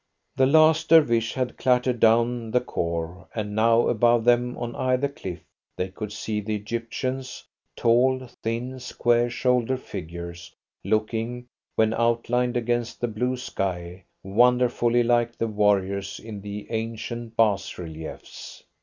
The last Dervish had clattered down the khor, and now above them on either cliff they could see the Egyptians tall, thin, square shouldered figures, looking, when outlined against the blue sky, wonderfully like the warriors in the ancient bas reliefs.